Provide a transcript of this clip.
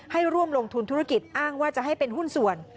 ให้ร่วมลงทุนธุรกิจอ้างว่าจะให้เป็นหุ้นส่วน